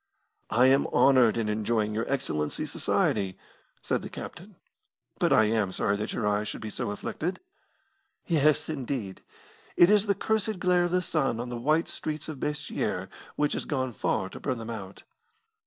"I am honoured in enjoying your Excellency's society," said the captain. "But I am sorry that your eyes should be so afflicted." "Yes, indeed. It is the cursed glare of the sun on the white streets of Basseterre which has gone far to burn them out."